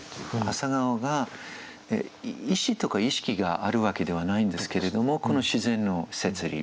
朝顔が意思とか意識があるわけではないんですけれどもこの自然の摂理。